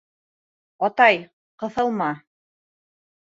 Атай, ҡыҫылма...